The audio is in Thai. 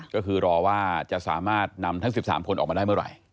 ก็คือรอว่าจะสามารถนำทั้ง๑๓คนออกมาได้เมื่อไหร่